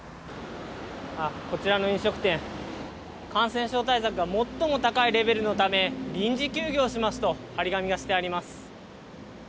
こちらの飲食店、感染症対策が最も高いレベルのため、臨時休業しますと貼り紙がしてあります。